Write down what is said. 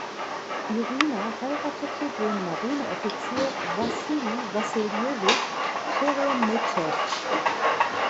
Irina heiratete den Marineoffizier Wassili Wassiljewitsch Scheremetew.